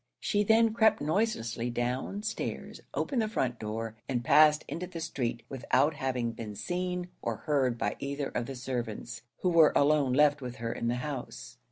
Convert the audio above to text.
She then crept noiselessly down stairs, opened the front door, and passed into the street, without having been seen or heard by either of the servants, who were alone left with her in the house.